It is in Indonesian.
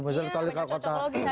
ya banyak cucokologi hari hari ini